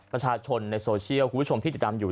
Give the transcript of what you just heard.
ประชาชนในโซเชียลคุณผู้ชมที่ติดตามอยู่